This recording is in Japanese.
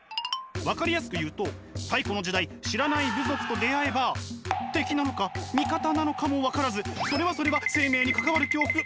分かりやすく言うと太古の時代知らない部族と出会えば敵なのか味方なのかも分からずそれはそれは生命に関わる恐怖。